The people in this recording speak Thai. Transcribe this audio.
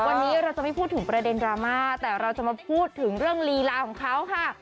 วันนี้เราจะไม่พูดถึงประเด็นดราม่าแต่เราจะมาพูดถึงเรื่องลีลาของเขาค่ะ